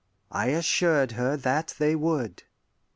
I assured her that they would.